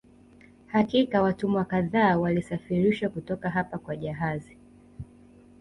Hakika watumwa kadhaa walisafirishwa kutoka hapa kwa jahazi